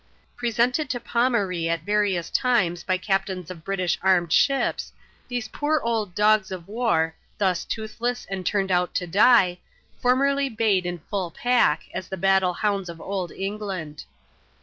Presented to Pomaree at various times by captains of British armed ships, these poor old " dogs of war," thus toothless and turned out to die, formerly bayed in full pack, as the battle hounds of Old England.